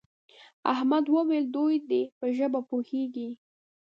احمد وویل دوی دې په ژبه پوهېږي.